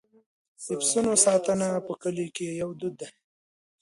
د پسونو ساتنه په کلیو کې یو دود دی.